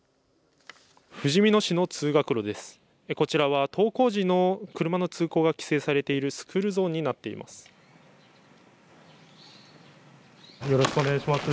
ふじみ野市の通学路です。